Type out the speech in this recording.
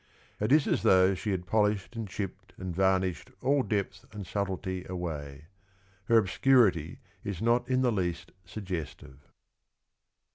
... It is as though she had polished and chipped and varnished all depth and subtlety away ; her obscurity is not in the least suggestive.